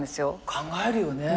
考えるよね。